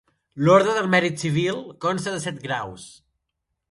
L'Orde del Mèrit Civil consta de set graus.